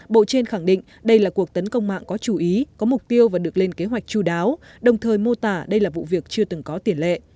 bộ trên khẳng định đây là cuộc tấn công mạng có chú ý có mục tiêu và được lên kế hoạch chú đáo đồng thời mô tả đây là vụ việc chưa từng có tiền lệ